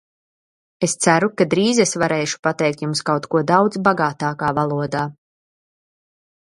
Es ceru, ka drīz es varēšu pateikt jums kaut ko daudz bagātākā valodā.